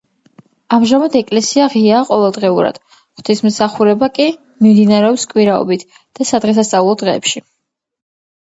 ამჟამად ეკლესია ღიაა ყოველდღიურად, ღვთისმსახურება კი მიმდინარეობს კვირაობით და სადღესასწაულო დღეებში.